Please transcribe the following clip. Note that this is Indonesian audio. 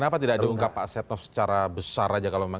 kenapa tidak diungkap pak setnoff secara besar saja